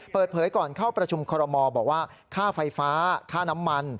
เปิดเผยก่อนเข้าประชุมคอรมอลบอกว่าค่าไฟฟ้าค่าน้ำมัน